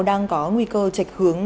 đang có nguy cơ trạch hướng